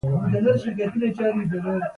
د سارې په وینه کې له علي سره مینه نغښتې ده.